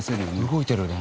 動いてるね。